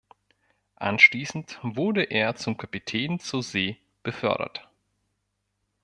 Anschließend wurde er zum Kapitän zur See befördert.